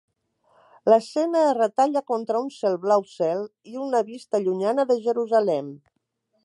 L'escena es retalla contra un cel blau cel i una vista llunyana de Jerusalem.